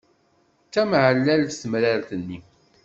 D tameɛlalt temrart-nni.